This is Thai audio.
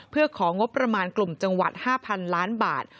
เพื่อของงบประมาณกลุ่มจังหวัด๕๐๐๐ล้านบาท